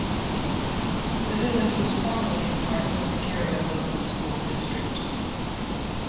The village was formerly a part of the Cairo Local School District.